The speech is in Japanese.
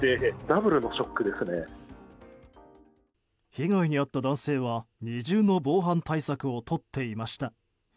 被害に遭った男性は二重の防犯対策をとっていました。